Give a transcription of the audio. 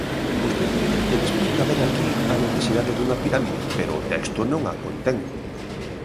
Vostede explica ben aquí a necesidade dunha pirámide, pero o texto non a contén.